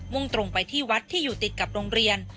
่งตรงไปที่วัดที่อยู่ติดกับโรงเรียน